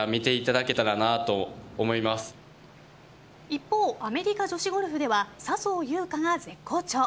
一方、アメリカ女子ゴルフでは笹生優花が絶好調。